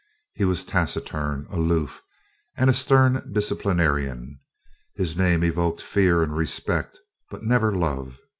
He was taciturn, aloof, and a stern disciplinarian. His name evoked fear and respect, but never love.